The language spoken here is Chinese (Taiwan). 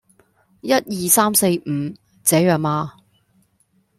一二三四五，這樣嗎？